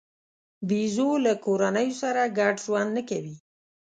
بیزو له کورنیو سره ګډ ژوند نه کوي.